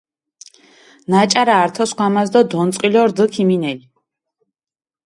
ნაჭარა ართო სქვამას დო დონწყილო რდჷ ქიმინელი.